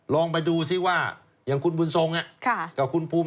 ลองไปดูซิว่าอย่างคุณบุญทรงกับคุณภูมิ